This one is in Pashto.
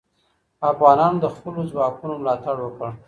افغانانو د خپلو ځواکونو ملاتړ وکړ.